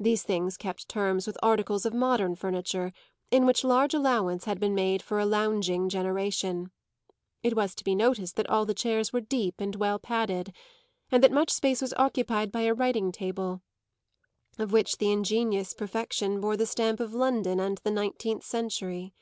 These things kept terms with articles of modern furniture in which large allowance had been made for a lounging generation; it was to be noticed that all the chairs were deep and well padded and that much space was occupied by a writing table of which the ingenious perfection bore the stamp of London and the nineteenth century.